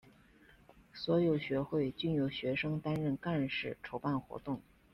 所有学会均由学生担任干事筹办活动。